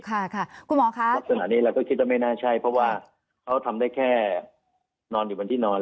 ค่ะค่ะคุณหมอคะลักษณะนี้เราก็คิดว่าไม่น่าใช่เพราะว่าเขาทำได้แค่นอนอยู่บนที่นอน